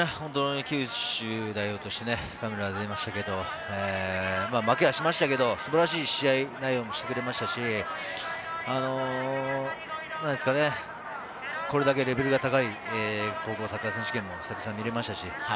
九州代表として神村が出ましたけれど、負けはしましたが、素晴らしい戦い方をしてくれましたし、これだけレベルが高い高校サッカー選手権も久々に見ることができました。